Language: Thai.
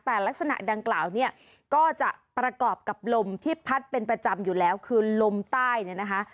แต่ลักษณะดังกล่าวเนี่ยก็จะประกอบกับลมที่พัดเป็นประจำอยู่แล้วคือลมใต้เนี่ยนะคะ